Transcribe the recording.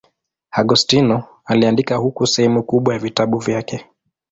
Agostino aliandika huko sehemu kubwa ya vitabu vyake.